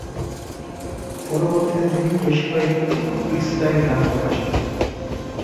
পরবর্তীতে তিনি বেশ কয়েকটি ফ্রিস্টাইল গান প্রকাশ করেন।